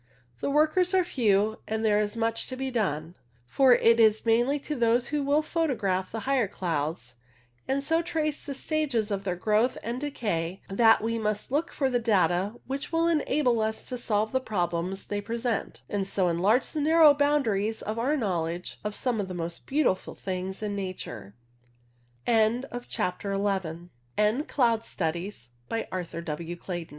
The workers are few, and there is much to be done ; for it is mainly to those who will photograph the higher clouds, and so trace the stages of their growth and decay, that we must look for the data which will enable us to solve the problems they present, and so enlarge the narrow boundaries of our knowledge of some of the most beautiful things in Nature. REFERENCES 1. "International Atlas of Cloud